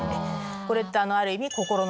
これってある意味。